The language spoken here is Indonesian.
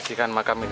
bersihkan makam ini